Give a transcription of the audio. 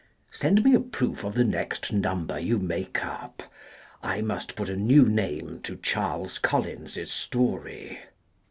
Send me a Proof of the next No. you make up. I must put a new name to Charles Collins' s story.